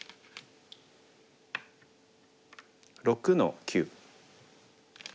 ６の九。